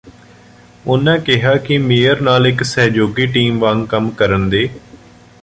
ਉਨ੍ਹਾਂ ਕਿਹਾ ਕਿ ਮੇਅਰ ਨਾਲ ਇਕ ਸਹਿਯੋਗੀ ਟੀਮ ਵਾਂਗ ਕੰਮ ਕਰਨ ਦੇ